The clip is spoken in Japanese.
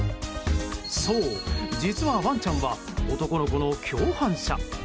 そう、実はワンちゃんは男の子の共犯者。